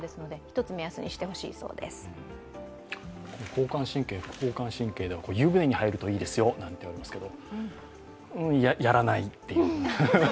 交感神経、副交感神経では、湯船に入るといいですよと言われますが、やらないっていう。